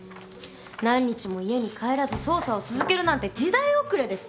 何日も家に帰らず捜査を続けるなんて時代遅れです。